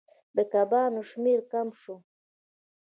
د کبانو شمیر کم شو.